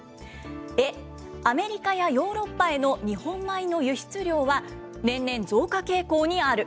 エ、アメリカやヨーロッパへの日本米の輸出量は、年々増加傾向にある。